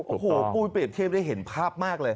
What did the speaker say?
โอ้โฮพูดไปเห็นภาพมากเลย